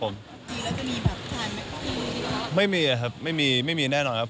ไม่มีครับไม่มีแน่นอนครับ